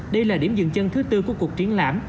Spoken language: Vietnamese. đây là điểm dừng chân thứ tư của cuộc triển lãm